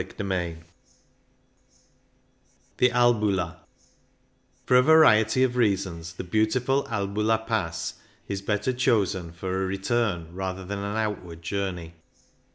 CHAPTER V THE ALBULA For a variety of reasons the beautiful Albula Pass is better chosen for a return rather than an outward journey.